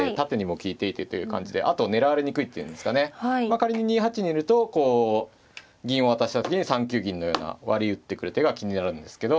仮に２八にいるとこう銀を渡した時に３九銀のような割り打ってくる手が気になるんですけど。